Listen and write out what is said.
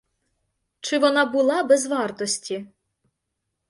Чи вона була без вартості?